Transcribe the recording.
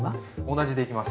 同じでいきます。